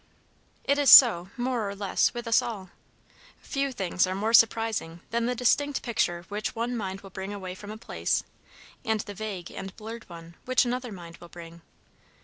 It is so more or less with us all. Few things are more surprising than the distinct picture which one mind will bring away from a place, and the vague and blurred one which another mind will bring.